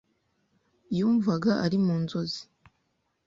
Yumvaga ari mu nzozi.